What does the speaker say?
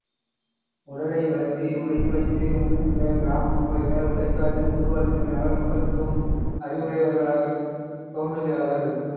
உடலை வருத்தி, உழைத்துழைத்து உண்ணுகின்ற கிராம மக்களைவிட, உழைக்காது உண்டு வாழ்கின்ற நகர மக்கள் மிகவும் அறிவுடையார்களாகத் தோன்றுகிறார்கள்.